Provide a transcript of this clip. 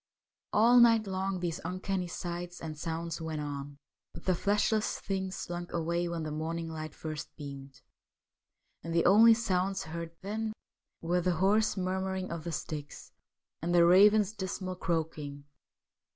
All night long these uncanny sights and sounds went on, but the fleshless things slunk away when the morning light first beamed, and the only sounds heard then c2 20 STORIES WEIRD AND WONDERFUL were the hoarse murmuring of the Styx, and the ravens' dismal croaking.